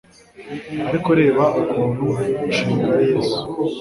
ariko reba ukuntu inshinga yesu